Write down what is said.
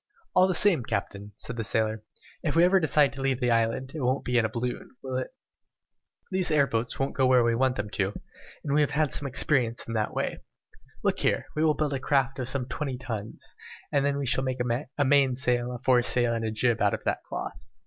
"All the same, captain," said the sailor, "if we ever decide to leave the island, it won't be in a balloon, will it? These air boats won't go where we want them to go, and we have had some experience in that way! Look here, We will build a craft of some twenty tons, and then we can make a main sail, a fore sail, and a jib out of that cloth.